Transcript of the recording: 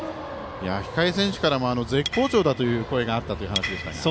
控え選手からも絶好調だという声があったという話でしたが。